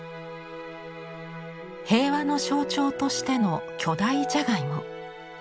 平和の象徴としての巨大じゃがいも。